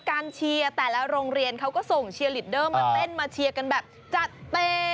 เชียร์แต่ละโรงเรียนเขาก็ส่งเชียร์ลีดเดอร์มาเต้นมาเชียร์กันแบบจัดเต็ม